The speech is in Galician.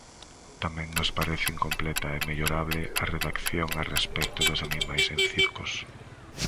Tamén nos parece incompleta e mellorable a redacción a respecto dos animais en circos.